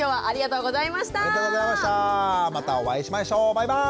バイバーイ。